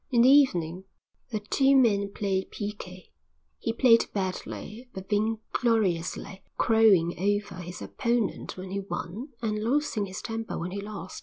In the evening the two men played piquet. He played badly but vaingloriously, crowing over his opponent when he won and losing his temper when he lost.